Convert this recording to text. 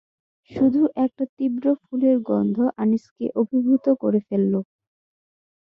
শুধু একটা তীব্র ফুলের গন্ধ আনিসকে অভিভুত করে ফেলল।